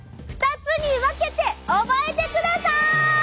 ２つに分けて覚えてください！